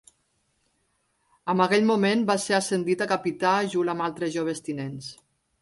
En aquell moment va ser ascendit a capità junt amb altres joves tinents.